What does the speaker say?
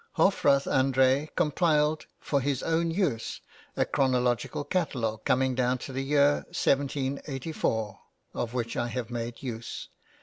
Hofrath André compiled for his own use a chronological catalogue coming down to the year 1784, of which I have made use.